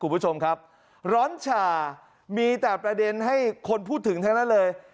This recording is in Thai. คุณผู้ชมครับร้อนฉ่ามีแต่ประเด็นให้คนพูดถึงทั้งนั้นเลย